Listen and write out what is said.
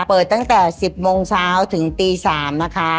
เปิดตั้งแต่๑๐โมงเช้าถึงตี๓นะคะ